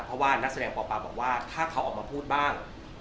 เพราะว่านักแสดงปปาบอกว่าถ้าเขาออกมาพูดบ้าง